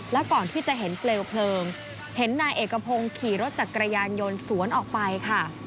และก่อนที่จะเห็นเปลวเพลิงเห็นนายเอกพงศ์ขี่รถจักรยานยนต์สวนออกไปค่ะ